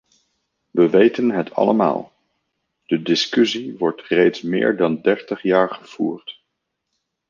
We weten het allemaal: de discussie wordt reeds meer dan dertig jaar gevoerd.